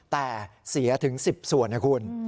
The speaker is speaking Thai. แต่เสียถึง๑๐ส่วนนะคุณ